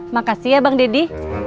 makasih ya bang deddy